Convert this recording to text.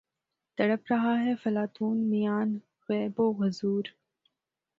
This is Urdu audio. تڑپ رہا ہے فلاطوں میان غیب و حضور